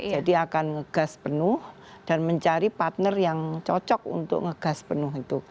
jadi akan ngegas penuh dan mencari partner yang cocok untuk ngegas penuh itu